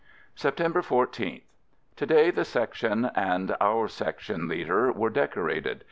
September l&th. To day the Section and our Section leader were decorated.